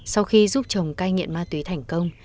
sau khi giúp chồng cai nghiện ma túy thành công